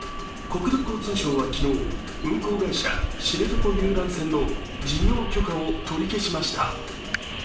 国土交通省は昨日、運航会社、知床遊覧船の事業許可を取り消しました。